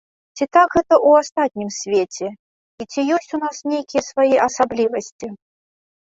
Ці так гэта ў астатнім свеце, і ці ёсць у нас нейкія свае асаблівасці?